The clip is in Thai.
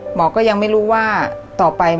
หมอก็ยังไม่รู้ว่าต่อไปมันจะลุกลามมากขึ้น